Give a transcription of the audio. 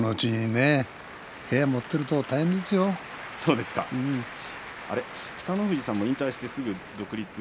部屋を持っていると北の富士さんも引退してすぐ独立。